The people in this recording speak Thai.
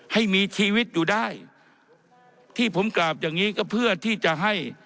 ให้มีชีวิตอยู่ได้ที่ผมกราบอย่างนี้ก็เพื่อที่จะให้